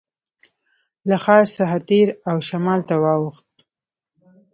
له ښار څخه تېر او شمال ته واوښتو.